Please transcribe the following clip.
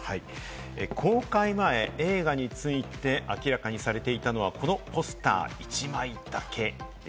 公開前、映画について明らかにされていたのは、このポスター１枚だけ。